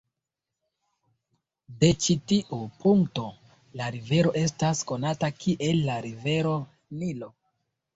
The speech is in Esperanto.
De ĉi tiu punkto la rivero estas konata kiel la Rivero Nilo.